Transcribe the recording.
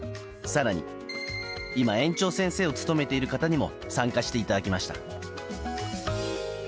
更に、今、園長先生を務めている方にも参加していただきました。